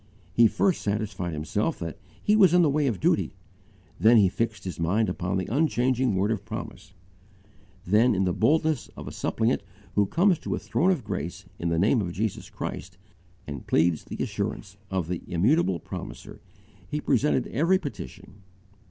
He first satisfied himself that he was in the way of duty; then he fixed his mind upon the unchanging word of promise; then, in the boldness of a suppliant who comes to a throne of grace in the name of Jesus Christ and pleads the assurance of the immutable Promiser, he presented every petition.